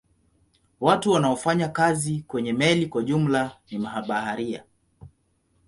Watu wanaofanya kazi kwenye meli kwa jumla ni mabaharia.